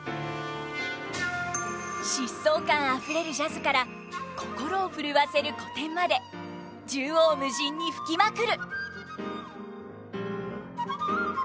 疾走感あふれるジャズから心をふるわせる古典まで縦横無尽に吹きまくる！